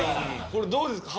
これどうですか？